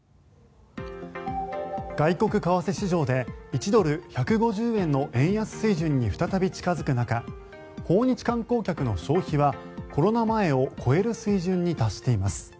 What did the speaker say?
外国為替市場で１ドル＝１５０円の円安水準に再び近付く中訪日観光客の消費はコロナ前を超える水準に達しています。